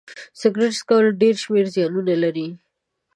سيګرټ څکول ډيری شمېر زيانونه لري